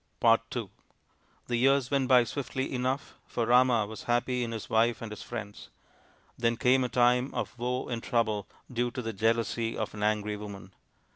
II The years went by swiftly enough, for Rama was happy in his wife and his friends. Then came a RAMA'S QUEST 17 time of woe and trouble due to the jealousy of an angry woman.